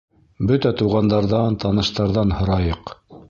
Бөтә туғандарҙан, таныштарҙан һорайыҡ.